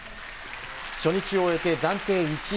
初日を終えて暫定１位。